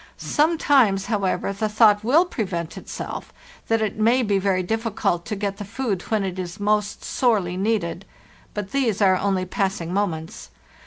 Some times, however, the thought will present itself that it may be very difficult to get the food when it is most sorely needed; but these are only passing moments.